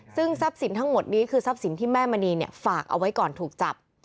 ซึ่งทรัพย์สินทั้งหมดนี้คือทรัพย์สินที่แม่มณีฝากเอาไว้ก่อนถูกจับ